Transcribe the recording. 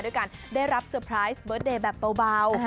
ด้วยการได้รับเบิร์ตเดย์แบบเบา